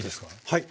はい。